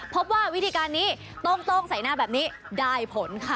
พบว่าวิธีการนี้โต้งใส่หน้าแบบนี้ได้ผลค่ะ